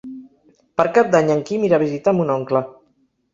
Per Cap d'Any en Quim irà a visitar mon oncle.